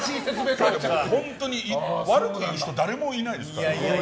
本当に悪く言う人誰もいないです。